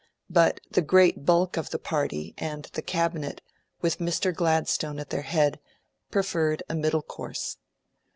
But the great bulk of the party, and the Cabinet, with Mr. Gladstone at their head, preferred a middle course.